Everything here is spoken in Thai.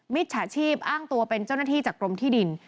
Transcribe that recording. มิจฉาชีพอ้างตัวเป็นเจ้าหน้าที่จากกรมที่ดิน